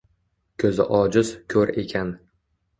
Ko‘zi ojiz – ko‘r ekan.